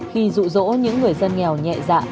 khi rụ rỗ những người dân nghèo nhẹ dạng